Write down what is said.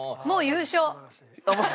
もう優勝？